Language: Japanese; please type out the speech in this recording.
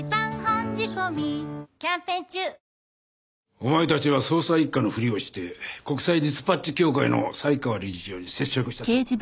お前たちは捜査一課のふりをして国際ディスパッチ協会の犀川理事長に接触したそうだな。